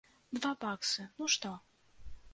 Два баксы, ну што?